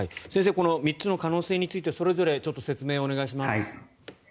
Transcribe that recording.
この３つの可能性についてそれぞれ説明をお願いします。